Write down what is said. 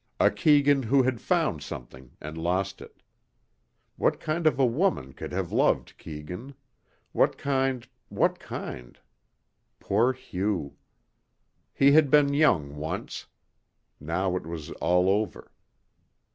A Keegan who had found something and lost it. What kind of a woman could have loved Keegan? What kind ... what kind ... poor Hugh. He had been young once. Now it was all over.